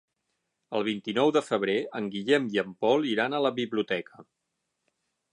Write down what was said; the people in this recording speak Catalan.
El vint-i-nou de febrer en Guillem i en Pol iran a la biblioteca.